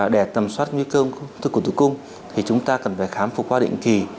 để tầm soát nguy cơ ung thư cổ tử cung thì chúng ta cần phải khám phục qua định kỳ